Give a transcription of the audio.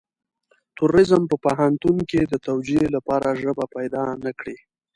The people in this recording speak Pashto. تروريزم په پوهنتون کې د توجيه لپاره ژبه پيدا نه کړي.